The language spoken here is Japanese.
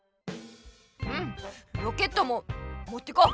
うんロケットももってこう。